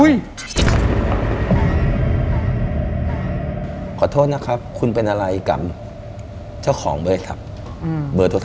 อเจมส์ขอโทษนะครับคุณเป็นอะไรกับเจ้าของเบอร์โทรศัพท์เบอร์นี้